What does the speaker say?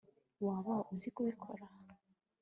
waba uzi kubikora